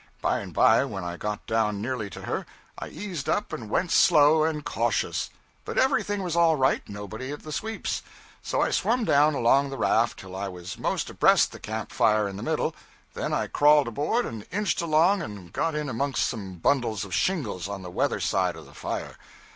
By and by, when I got down nearly to her, I eased up and went slow and cautious. But everything was all right nobody at the sweeps. So I swum down along the raft till I was most abreast the camp fire in the middle, then I crawled aboard and inched along and got in amongst some bundles of shingles on the weather side of the fire.